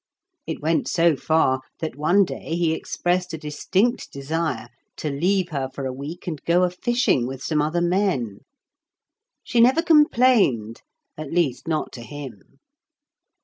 It went so far that one day he expressed a distinct desire to leave her for a week and go a fishing with some other men. She never complained—at least, not to him."